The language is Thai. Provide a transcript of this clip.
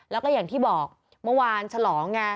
แล้วก็อย่างที่บอกเมื่อวานฉลองไง